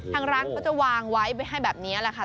ทางร้านเขาจะวางไว้ให้แบบนี้แหละค่ะ